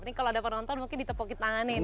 ini kalau ada penonton mungkin ditepukin tanganin